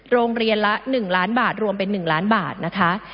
โรงเรียนละ๑ล้านบาทรวมเป็น๑ล้านบาทนะคะ